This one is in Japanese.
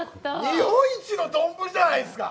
日本一の丼じゃないですか。